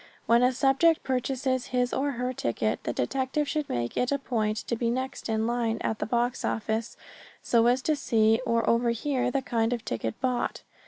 When a subject purchases his or her ticket the detective should make it a point to be next in line at the box office so as to see or overhear the kind of ticket bought.